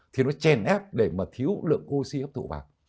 thì nó chèn ép để mà thiếu lượng oxy hấp thụ vào